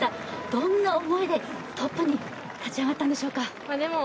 どんな思いでトップに立ち上がったんでしょうか。